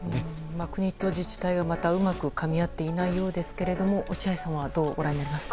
国と自治体がうまくかみ合っていないようですが落合さんはどうご覧になりますか。